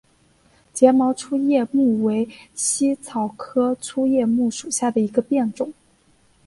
睫毛粗叶木为茜草科粗叶木属下的一个变种。